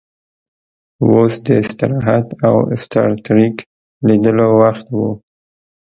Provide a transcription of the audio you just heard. اوس د استراحت او سټار ټریک لیدلو وخت و